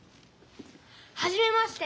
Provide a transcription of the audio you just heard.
はじめまして。